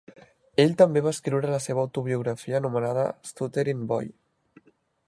Ell també va escriure la seva autobiografia anomenada "Stutterin' Boy".